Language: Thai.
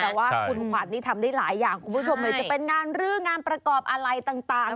แต่ว่าคุณขวัญนี่ทำได้หลายอย่างคุณผู้ชมไม่จะเป็นงานรื้องานประกอบอะไรต่าง